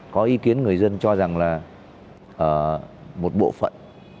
có ý kiến người dân cho rằng là một bộ phận